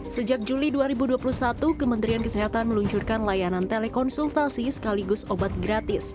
sejak juli dua ribu dua puluh satu kementerian kesehatan meluncurkan layanan telekonsultasi sekaligus obat gratis